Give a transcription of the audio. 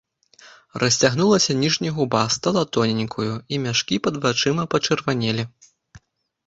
Расцягнулася ніжняя губа, стала тоненькаю, і мяшкі пад вачыма пачырванелі.